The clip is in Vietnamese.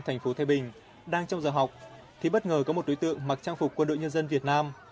thành phố thái bình đang trong giờ học thì bất ngờ có một đối tượng mặc trang phục quân đội nhân dân việt nam